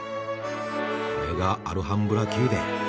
あれがアルハンブラ宮殿。